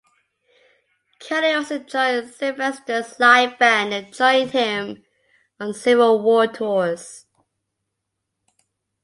Cowley also joined Sylvester's live band and joined him on several world tours.